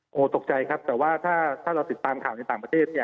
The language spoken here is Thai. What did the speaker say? โอ้โหตกใจครับแต่ว่าถ้าเราติดตามข่าวในต่างประเทศเนี่ย